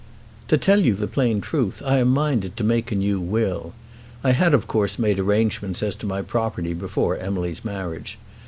"To tell you the plain truth, I am minded to make a new will. I had of course made arrangements as to my property before Emily's marriage.